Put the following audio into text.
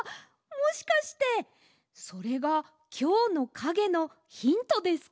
もしかしてそれがきょうのかげのヒントですか？